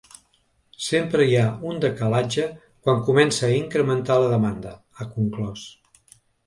“Sempre hi ha un decalatge quan comença a incrementar la demanda”, ha conclòs.